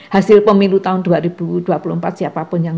hasil pemilu tahun dua ribu dua puluh empat siapapun yang